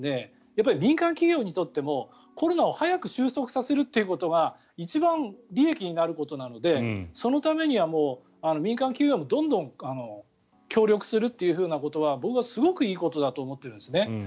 民間企業にとってもコロナを早く収束させることが一番利益になることなのでそのためには民間企業もどんどん協力するということは僕はすごくいいことだと思っているんですね。